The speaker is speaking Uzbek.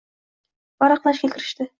Varaqlashga kirishdi